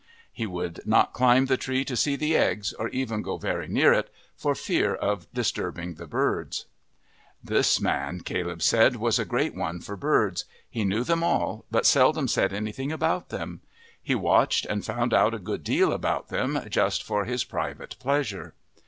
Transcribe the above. He would not climb the tree to see the eggs, or even go very near it, for fear of disturbing the birds. This man, Caleb said, was a great one for birds: he knew them all, but seldom said anything about them; he watched and found out a good deal about them just for his private pleasure.